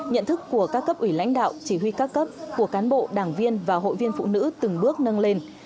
nhận thức của các cấp ủy lãnh đạo chỉ huy các cấp của cán bộ đảng viên và hội viên phụ nữ từng bước nâng lên